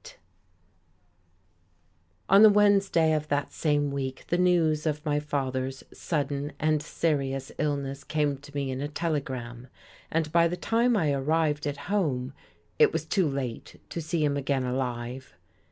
VIII On the Wednesday of that same week the news of my father's sudden and serious illness came to me in a telegram, and by the time I arrived at home it was too late to see him again alive.